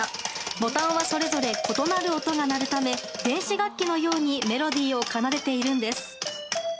ボタンはそれぞれ異なる音が鳴るため電子楽器のようにメロディーを奏でているんです。